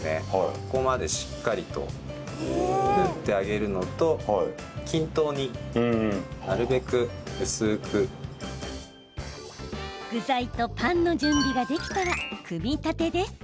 ここまでしっかりと塗ってあげるのと具材とパンの準備ができたら組み立てです。